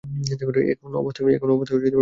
এখন অবস্থা বিপরীতে দাঁড়াল।